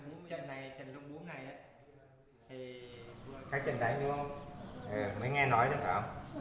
mới nghe nói được hả